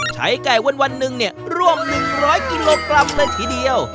ใช้ไก่วันวันหนึ่งเนี่ยร่วมหนึ่งร้อยกิโลกรัมเงินทีเดียว